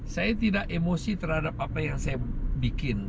saya tidak emosi terhadap apa yang saya bikin